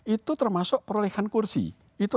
itu termasuk perolehan kursi itu